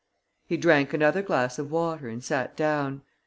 He drank another glass of water and sat down.